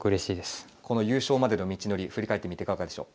この優勝までの道のり振り返ってみていかがでしょう？